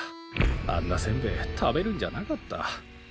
あんなせんべい食べるんじゃなかった。